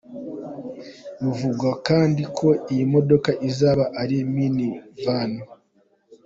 Bivugwa kandi ko iyi modoka izaba ari mini-van.